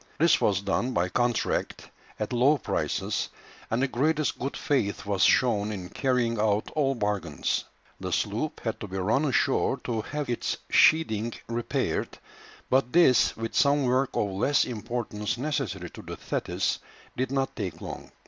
This was done by contract at low prices, and the greatest good faith was shown in carrying out all bargains. The sloop had to be run ashore to have its sheathing repaired, but this, with some work of less importance necessary to the Thetis, did not take long.